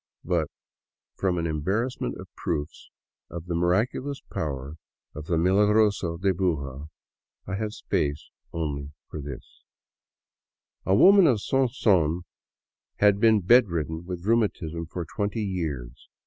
... But frorA an embarrassment of proofs of the miraculous power of the Milagroso of Buga, I have space only for this: A woman of Sonson had been bed ridden with rheumatism for twenty years.